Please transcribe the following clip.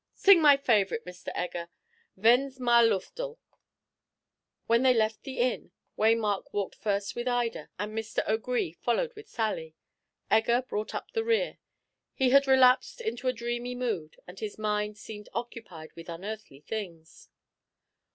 Sing my favourite, Mr. Egger, 'Wenn's Mailufterl.'" When they left the inn, Waymark walked first with Ida, and Mr. O'Gree followed with Sally. Egger brought up the rear; he had relapsed into a dreamy mood, and his mind seemed occupied with unearthly things.